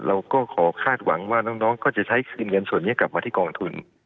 เราก็ขอคาดหวังว่าน้องก็จะใช้คืนเงินส่วนนี้กลับมาที่กองทุน